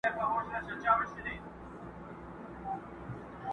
روغبړ مو ورسره وکړ.